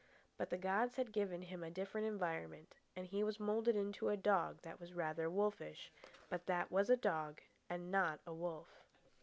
But the gods had given him a different environment, and he was moulded into a dog that was rather wolfish, but that was a dog and not a wolf.